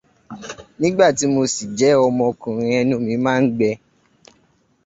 Nígbà tí mo ṣì jẹ́ ọmọkùnrin, ẹnu mi máa ń gbẹ